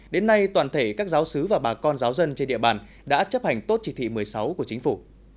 đến nay toàn thể các giáo sứ và bà con giáo dân trên địa bàn đã chấp hành tốt chỉ thị một mươi sáu của chính phủ